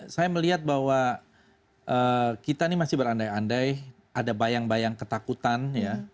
saya melihat bahwa kita ini masih berandai andai ada bayang bayang ketakutan ya